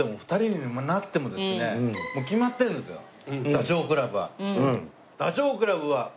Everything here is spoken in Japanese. ダチョウ倶楽部は現状。